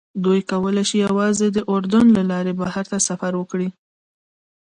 دوی کولی شي یوازې د اردن له لارې بهر ته سفر وکړي.